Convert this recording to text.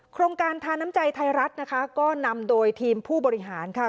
โครงการทาน้ำใจไทยรัฐนะคะก็นำโดยทีมผู้บริหารค่ะ